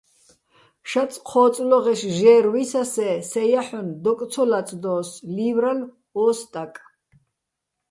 "შაწ-ჴო́წლოღეშ ჟე́რო̆ ვისასე́, სე ჲაჰ̦ონ დოკ ცო ლაწდო́ს", - ლი́ვრალო̆ ო სტაკ.